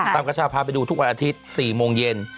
ประชาพาไปดูทุกวันอาทิตย์๔โมงเย็น